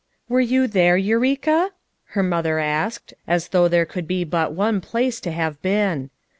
"Were you there, Eureka?" her mother asked, as though there could be but one place to have been.